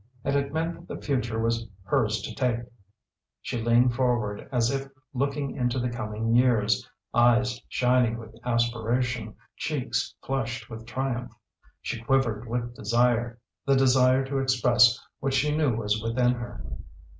And it meant that the future was hers to take! She leaned forward as if looking into the coming years, eyes shining with aspiration, cheeks flushed with triumph. She quivered with desire the desire to express what she knew was within her.